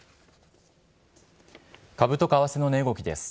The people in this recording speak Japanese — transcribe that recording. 株と為替の値動きです。